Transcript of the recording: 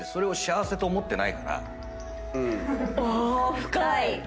深い。